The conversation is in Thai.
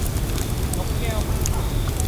นกแก้วมาก